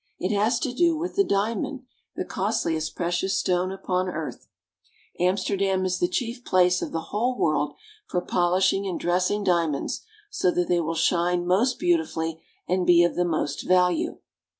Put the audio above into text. It has to do with the diamond, the costliest precious stone upon earth. Amsterdam is the chief place of the whole world for polishing and dressing diamonds so that they will shine most beautifully and be of the most value.